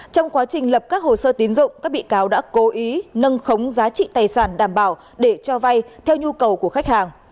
trong quá trình lập các hồ sơ tiến dụng các bị cáo đã cố ý nâng khống giá trị tài sản đảm bảo để cho vay theo nhu cầu của khách hàng